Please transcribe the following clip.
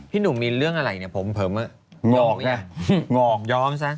พี่หนูมีเรื่องอะไรเนี่ยผมเผิม